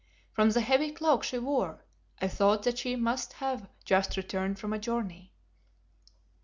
From the heavy cloak she wore I thought that she must have just returned from a journey.